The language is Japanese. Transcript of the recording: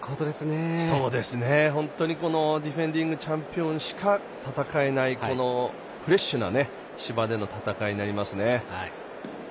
本当にディフェンディングチャンピオンしか戦えない、フレッシュな芝での戦いになりますね。